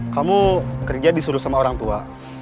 kamu kerja disuruh sama orang tua